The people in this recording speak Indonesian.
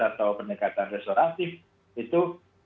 atau pendekatan restoratif itu